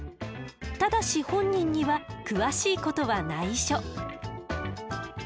ただし本人には詳しいことはないしょ。